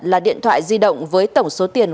là điện thoại di động với tổng số tiền